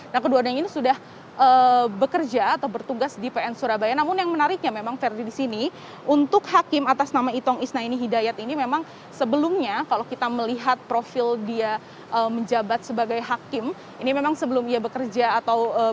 nah keduanya ini sudah bekerja atau bertugas di pn surabaya namun yang menariknya memang verdi di sini untuk hakim atas nama itong isnaini hidayat ini memang sebelumnya kalau kita melihat profil dia menjabat sebagai hakim ini memang sebelum ia bekerja atau